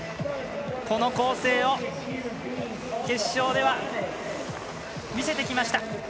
この構成を決勝では見せてきました。